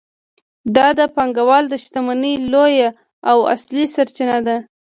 دا د پانګوال د شتمنۍ لویه او اصلي سرچینه ده